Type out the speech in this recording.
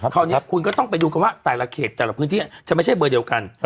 คราวนี้คุณก็ต้องไปดูกันว่าแต่ละเขตแต่ละพื้นที่จะไม่ใช่เบอร์เดียวกัน